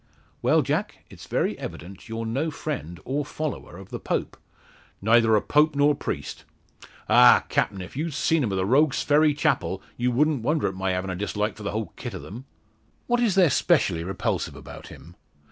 "Well, Jack; it's very evident you're no friend, or follower, of the Pope." "Neyther o' Pope nor priest. Ah! captain; if you seed him o' the Rogue's Ferry Chapel, you wouldn't wonder at my havin' a dislike for the whole kit o' them." "What is there specially repulsive about him?"